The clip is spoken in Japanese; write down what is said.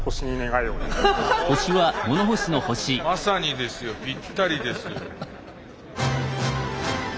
まさにですよぴったりですよ。